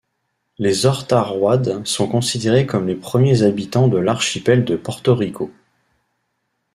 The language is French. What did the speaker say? Les Ortoiroides sont considérés comme les premiers habitants de l'archipel de Porto Rico.